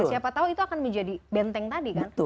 siapa tahu itu akan menjadi benteng tadi kan